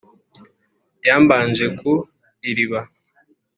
Ya Mbanje ku iriba